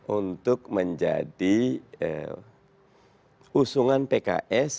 untuk menjadi usungan pengalaman